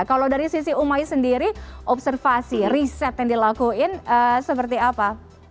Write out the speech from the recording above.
kalau dari sisi umai sendiri observasi riset yang dilakuin seperti apa